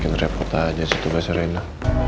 mungkin report aja sih tuh mas rina